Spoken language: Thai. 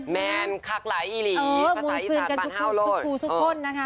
มวนซื้นกันสู่ครูสุดคน